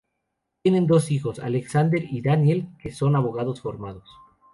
Tienen dos hijos, Alexander y Daniel, que son abogados formados.